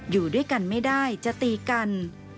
อยู่ด้วยกันไม่ได้จะตีกัน